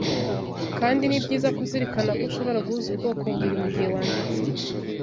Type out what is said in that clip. kandi nibyiza kuzirikana ko ushobora guhuza ubwoko bubiri mugihe wanditse